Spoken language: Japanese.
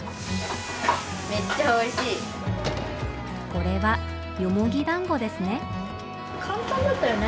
これはよもぎ団子ですね。